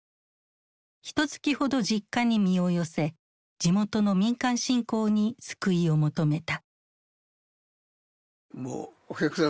ひとつきほど実家に身を寄せ地元の民間信仰に救いを求めた。